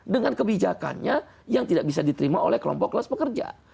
dengan kebijakannya yang tidak bisa diterima oleh kelompok kelas pekerja